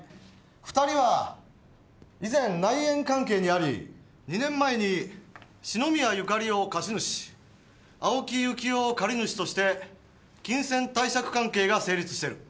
２人は以前内縁関係にあり２年前に篠宮ゆかりを貸主青木由紀男を借主として金銭貸借関係が成立してる。